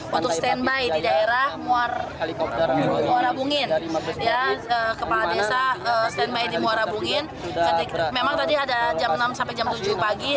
untuk standby di daerah muarabungin kepala desa standby di muarabungin memang tadi ada jam enam sampai jam tujuh pagi